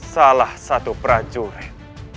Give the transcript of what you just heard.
salah satu prajurit